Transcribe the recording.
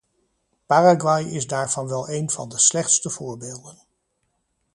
Paraguay is daarvan wel een van de slechtste voorbeelden.